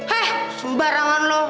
heh sembarangan lo